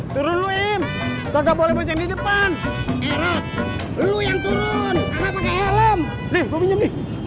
turun luim tak boleh bajeng di depan erat lu yang turun karena pakai helm